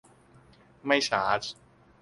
ไม่ชาร์จ